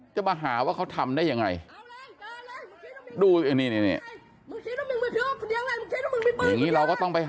จะมาหาว่าเขาทำได้ยังไง